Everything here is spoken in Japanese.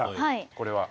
これは？